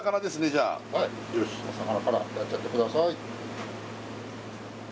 じゃあはいよしお魚からやっちゃってください